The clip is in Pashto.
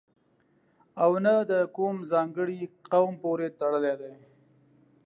او نه د کوم ځانګړي قوم پورې تړلی دی.